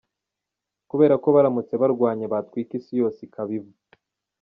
Kubera ko baramutse barwanye batwika isi yose ikaba ivu.